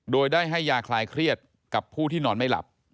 โดยได้ให้ยาคลายเครียดกับผู้ที่นอนไม่หลับ